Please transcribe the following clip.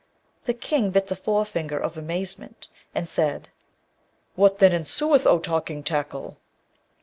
The King bit the forefinger of amazement, and said, 'What then ensueth, O talking tackle?'